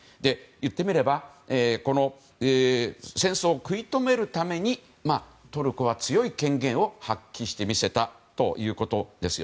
言ってみれば戦争を食い止めるためにトルコは強い権限を発揮してみせたということです。